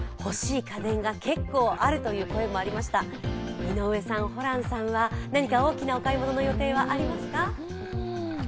井上さん、ホランさんは何か大きなお買い物の予定はありますか？